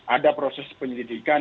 ada proses penyelidikan